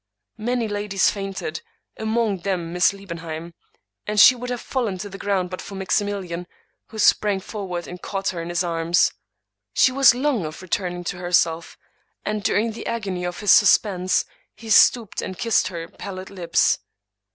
Many ladies fainted ; among them Miss Liebenheim — and she would have fallen to the ground but for Maximilian, who sprang forward and caught her in his arms. She was long of returning to herself; and, during the agony of his suspense, he stooped and kissed her pallid lips.